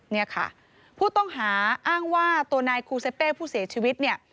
เนี่ยค่ะผู้ต้องหาอ้างว่าตัวนายคูเซเป้ผู้เสียชีวิตเนี่ย